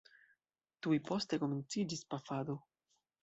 Tuj poste komenciĝis pafado.